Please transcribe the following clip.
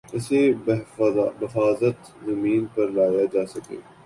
اسے بحفاظت زمین پر لایا جاسکے